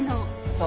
そう。